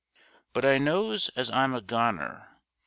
But I knows as I'm a goner.